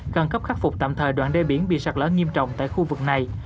khẩn cấp khắc phục tạm thời đoạn đê biển bị sạt lỡ nghiêm trọng tại khu vực này